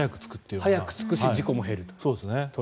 早く着くし事故も減ると。